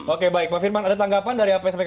oke baik pak firman ada tanggapan dari lpsk